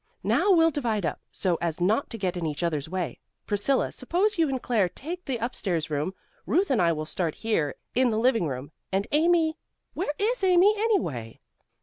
"Now we'll divide up, so as not to get in each other's way. Priscilla, suppose you and Claire take the up stairs rooms. Ruth and I will start here in the living room, and Amy where is Amy, anyway?"